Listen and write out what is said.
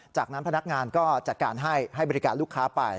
จากนั้นพนักงานก็จัดการให้บริการลูกค้าไป